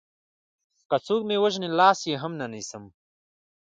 که څوک مې وژني لاس يې هم نه نيسم